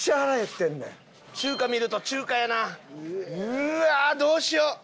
うわーどうしよう！